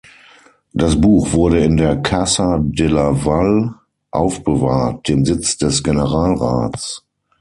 Das Buch wurde in der Casa de la Vall, aufbewahrt, dem Sitz des Generalrats.